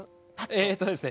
えっとですね